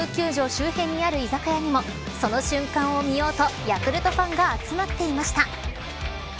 周辺にある居酒屋にもその瞬間を見ようとヤクルトファンが集まっていました。